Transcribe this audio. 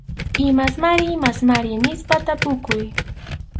Imasmari imasmari nispa tapukuy.